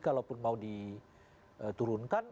kalau mau diturunkan